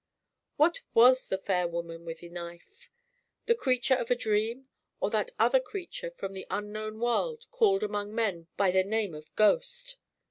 What was the fair woman with the knife? The creature of a dream, or that other creature from the unknown world called among men by the name of ghost?